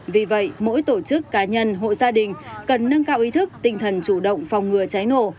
vì vậy mỗi tổ chức cá nhân hộ gia đình cần nâng cao ý thức tinh thần chủ động phòng ngừa cháy nổ